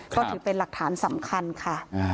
ก็ถือเป็นหลักฐานสำคัญค่ะ